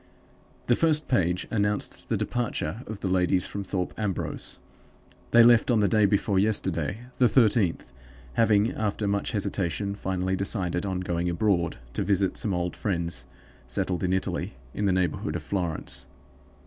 "The first page announced the departure of the ladies from Thorpe Ambrose. They left on the day before yesterday, the thirteenth, having, after much hesitation, finally decided on going abroad, to visit some old friends settled in Italy, in the neighborhood of Florence.